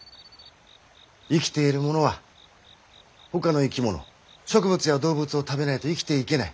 生きているものはほかの生き物植物や動物を食べないと生きていけない。